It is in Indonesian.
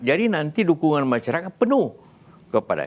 jadi nanti dukungan masyarakat penuh kepada